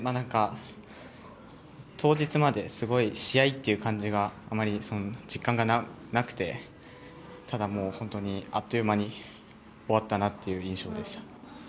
当日まで試合という感じがあまり実感がなくてただあっという間に終わったという印象でした。